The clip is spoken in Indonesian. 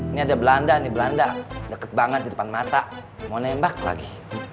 ini ada belanda belanda deket banget di depan mata mau nembak lagi